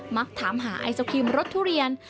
มักถามหาไอศครีมรสทุเรียน